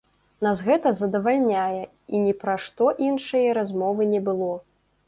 Нас гэта задавальняе і ні пра што іншае размовы не было.